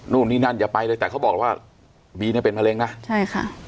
นู่นนี่นั่นอย่าไปเลยแต่เขาบอกว่าบีเนี่ยเป็นมะเร็งนะใช่ค่ะ